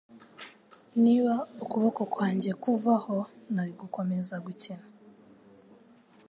Niba ukuboko kwanjye kuvaho nari gukomeza gukina.